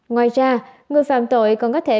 ngoài ra người phạm tội còn có thể